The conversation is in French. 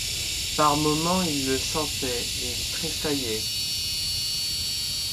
Par moments il le sentait, et il tressaillait.